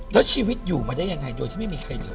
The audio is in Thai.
แล้วชีวิตอยู่มาได้ยังไงโดยที่ไม่มีใครเหลือ